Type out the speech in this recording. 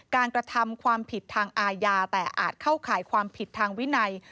กระทำความผิดทางอาญาแต่อาจเข้าข่ายความผิดทางวินัย